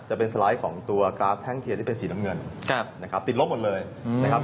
จะเป็นสไลด์ของตัวกราฟแท่งเทียนที่เป็นสีน้ำเงินนะครับติดลบหมดเลยนะครับ